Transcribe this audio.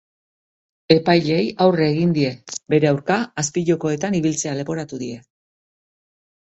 Epaileei aurre egin die, bere aurka azpijokoetan ibiltzea leporatu die.